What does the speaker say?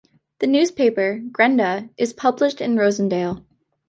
The newspaper "Grenda" is published in Rosendal.